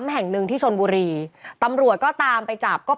เหลือหรือหลอนลูก